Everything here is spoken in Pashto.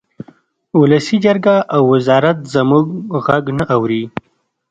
ولسي جرګه او وزارت زموږ غږ نه اوري